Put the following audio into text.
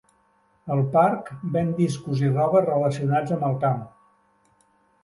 El parc ven discos i roba relacionats amb el camp.